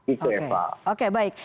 itu epa oke baik